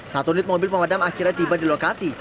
satu unit mobil pemadam akhirnya tiba di lokasi